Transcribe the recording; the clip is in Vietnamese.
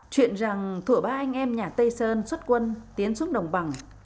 chuyện rằng thủa ba anh em nhà tây sơn xuất quân tiến xuống đồng bằng